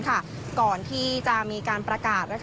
ก่อนที่จะมีการประกาศ